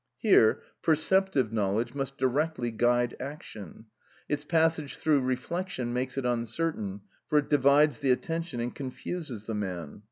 Here perceptive knowledge must directly guide action; its passage through reflection makes it uncertain, for it divides the attention and confuses the man.